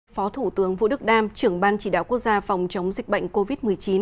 phó thủ tướng vũ đức đam trưởng ban chỉ đạo quốc gia phòng chống dịch bệnh covid một mươi chín